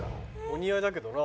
お似合いだけどな。